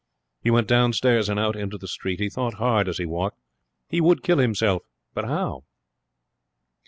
He went downstairs and out into the street. He thought hard as he walked. He would kill himself, but how?